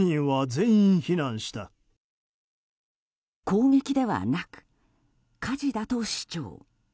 攻撃ではなく火事だと主張。